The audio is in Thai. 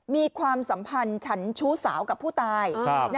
มีความสัมพันธ์ฉันชู้สาวกับผู้ตาย